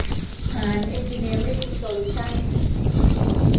หาญ เอ็นจิเนียริ่ง โซลูชั่นส์